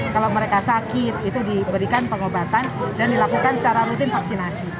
kalau mereka sakit itu diberikan pengobatan dan dilakukan secara rutin vaksinasi